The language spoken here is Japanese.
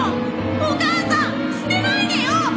お母さん捨てないでよ！